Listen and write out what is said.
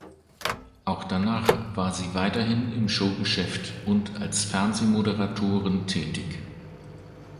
Auch danach war sie weiterhin im Showgeschäft und als Fernsehmoderatorin tätig.